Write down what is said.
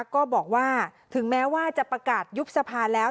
ก็บอกว่าถึงแม้ว่าจะประกาศยุบสภาแล้ว